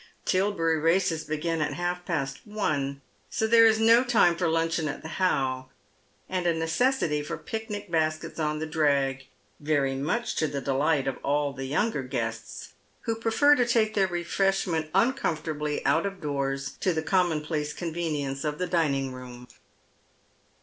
Til berry Races begin at half past one, so there is no time for luncheon at the How, and a necessity for picnic baskets on the drag, very much to the delight of all the younger guests, who prefer to take their refreshment uncomfortably out of doors to the commonplace convenience of the dining room.